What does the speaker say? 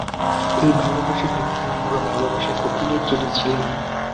এই ভালবাসা মিথ্যা, আমার ভালবাসায় কখনই টিনা ছিল না।